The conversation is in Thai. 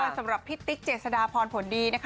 สำหรับพี่ติ๊กเจษฎาพรผลดีนะคะ